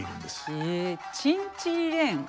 へえ「チンチリレン」。